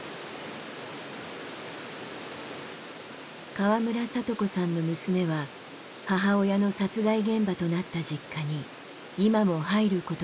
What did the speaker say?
河村聡子さんの娘は母親の殺害現場となった実家に今も入ることができない。